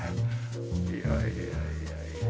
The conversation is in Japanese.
いやいやいやいや。